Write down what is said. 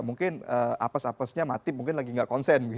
mungkin apes apesnya mati mungkin lagi nggak konsen